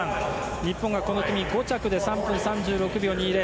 日本がこの組５着で３分３６秒２０。